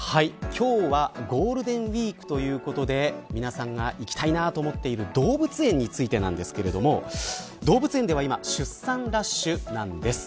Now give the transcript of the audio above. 今日はゴールデンウイークということで皆さんが行きたいなと思っている動物についてなんですが動物園では今出産ラッシュなんです。